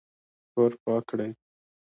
کور پاک کړئ